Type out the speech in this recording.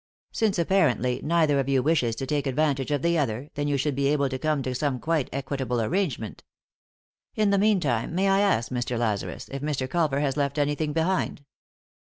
Since, apparently, neither of you wishes to take advantage of the other, then you should be able to come to some quite equitable arrangement In the meantime, may I ask, Mr. Lazarus, if Mr. Culver has left anything behind